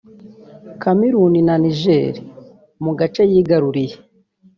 Cameroon na Niger mu gace yigaruriye